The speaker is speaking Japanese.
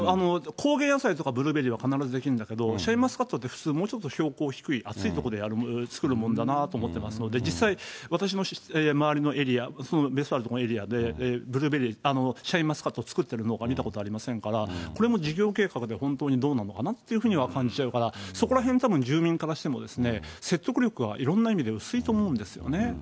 高原野菜とか、ブルーベリーは必ず出来るんだけど、シャインマスカットって普通、もうちょっと標高低い、暑いとこで作るもんだなと思ってますので、実際、私の周りのエリア、その別荘ある所のエリアでブルーベリー、シャインマスカット作ってる農家、見たことありませんから、これも事業計画で、本当にどうなのかなというのは感じちゃうから、そこらへん、たぶん住民からしても説得力はいろんなところで薄いと思うんですよね。